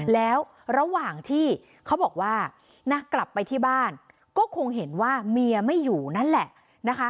แล้วระหว่างที่เขาบอกว่านะกลับไปที่บ้านก็คงเห็นว่าเมียไม่อยู่นั่นแหละนะคะ